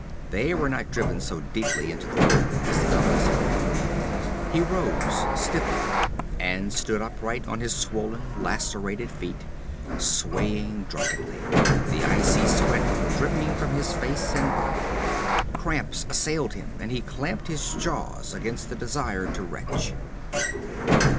They were not driven so deeply into the wood as the others had been. He rose stiffly and stood upright on his swollen, lacerated feet, swaying drunkenly, the icy sweat dripping from his face and body. Cramps assailed him and he clamped his jaws against the desire to retch.